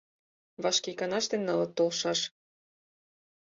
Вашке иканаште нылыт толшаш.